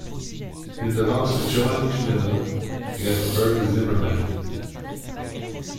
Il devance Joan Gimeno et Robert Zimmermann.